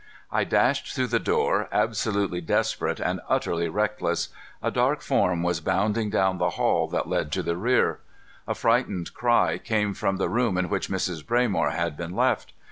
I dashed through the door, absolutely desperate and utterly reckless. A dark form was bounding down the hall that led to the rear. A frightened cry came from the room in which Mrs. Braymore had been left.